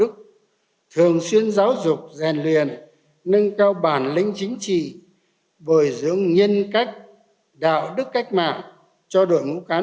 chẳng phải gương mẫu